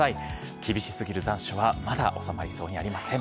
厳しすぎる残暑はまだ収まりそうにありません。